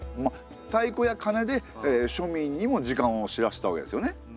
太鼓や鐘で庶民にも時間を知らせたわけですよね。